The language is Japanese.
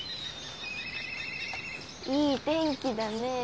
いい天気だねえ。